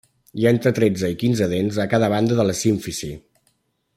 Hi ha entre tretze i quinze dents a cada banda de la símfisi.